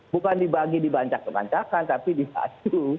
bukan dibagi dibancak kebancakan tapi dibantu